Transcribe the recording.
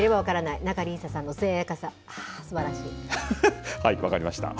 仲里依紗さんのつややかさ、すば分かりました。